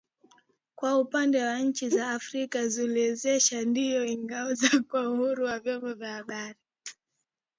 Kwa upande wa nchi za Afrika Ushelisheli, ndiyo inaongoza kwa uhuru wa vyombo vya habari